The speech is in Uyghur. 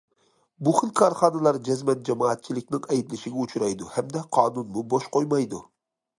بۇ خىل كارخانىلار جەزمەن جامائەتچىلىكنىڭ ئەيىبلىشىگە ئۇچرايدۇ ھەمدە قانۇنمۇ بوش قويمايدۇ.